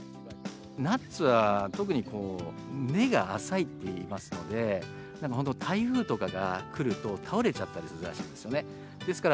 ナッツは特に根が浅いといいますので、台風とかが来ると倒れちゃったりするんですね。